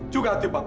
juga hati bapakmu